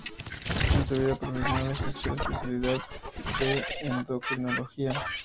En su vida profesional ejerció la especialidad de endocrinología.